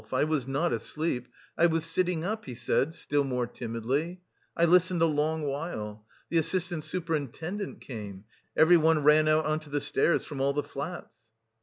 I was not asleep... I was sitting up," he said still more timidly. "I listened a long while. The assistant superintendent came.... Everyone ran out on to the stairs from all the flats."